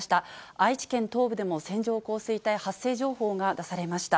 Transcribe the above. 愛知県東部でも線状降水帯発生情報が出されました。